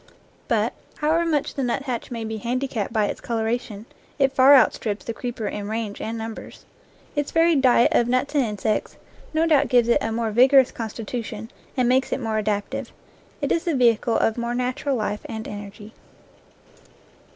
But, however much the nuthatch may be handicapped by its coloration, it far outstrips the creeper in range and numbers. Its varied diet of nuts and insects no doubt gives it a more vigorous con stitution, and makes it more adaptive. It is the vehicle of more natural life and energy.